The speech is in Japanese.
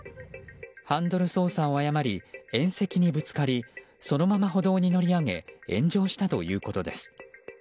ハンドル操作を誤り縁石にぶつかりそのまま歩道に乗り上げ炎上したということです。